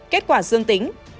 kết quả dương tính